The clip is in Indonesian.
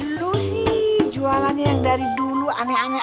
lalu sih jualanya yang dari dulu aneh aneh ajaligaku